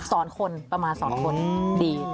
สอนคนประมาณสอนคนดี